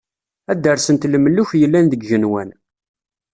Ad d-rsent lemluk, yellan deg yigenwan.